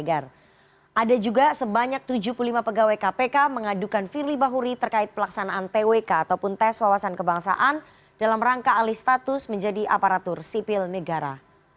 ada juga sebanyak tujuh puluh lima pegawai kpk mengadukan firly bahuri terkait pelaksanaan twk ataupun tes wawasan kebangsaan dalam rangka alih status menjadi aparatur sipil negara